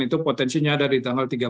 itu potensinya ada di tanggal tiga puluh ya